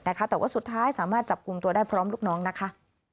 แต่ว่าสุดท้ายสามารถจับกลุ่มตัวได้พร้อมลูกน้องนะคะ